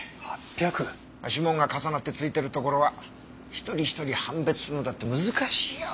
指紋が重なって付いてるところは一人一人判別するのだって難しいよ。